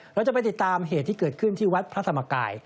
เราจะไปติดตามเหตุที่เกิดขึ้นที่วัดพระธรรมกาย